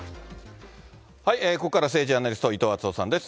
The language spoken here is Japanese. ここからは政治アナリスト、伊藤惇夫さんです。